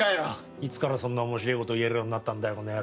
いつからそんな面白えこと言えるようになったんだよ。